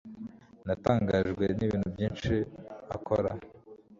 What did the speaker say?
Natangajwe nibintu byinshi akora.